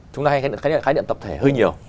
chúng ta hay khái niệm tập thể hơi nhiều